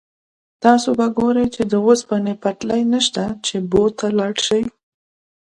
تاسو به ګورئ چې د اوسپنې پټلۍ نشته چې بو ته لاړ شئ.